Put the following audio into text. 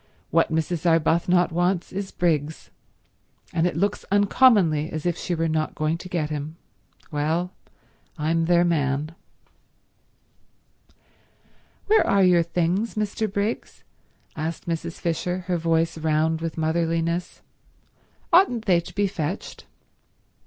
What Mrs. Arbuthnot wants is Briggs, and it looks uncommonly as if she were not going to get him. Well, I'm their man." "Where are your things, Mr. Briggs?" asked Mrs. Fisher, her voice round with motherliness. "Oughtn't they to be fetched?"